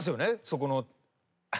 そこの。